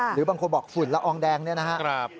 หรือบางคนบอกฝุ่นละอองแดงเนี่ยนะครับ